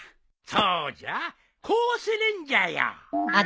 そうじゃこうするんじゃよ。